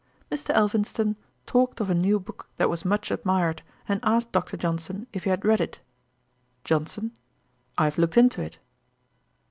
Mr. Elphinston talked of a new book that was much admired, and asked Dr. Johnson if he had read it. JOHNSON. 'I have looked into it.'